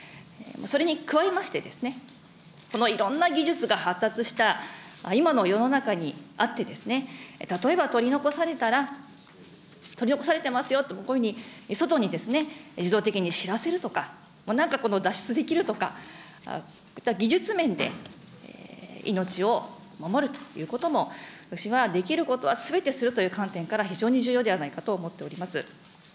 それに加えましてですね、このいろんな技術が発達した今の世の中にあって、例えば取り残されたら、取り残されてますよと、外に自動的に知らせるとか、なんか脱出できるとか、技術面で、命を守るということも私はできることはすべてするという観点から、非常に重要ではないかと思っております。